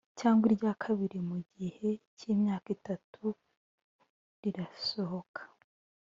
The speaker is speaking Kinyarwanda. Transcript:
cyangwa irya kabiri mu gihe cy imyaka itatu rirasohoka